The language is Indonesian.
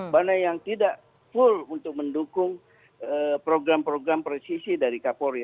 mana yang tidak full untuk mendukung program program presisi dari kapolri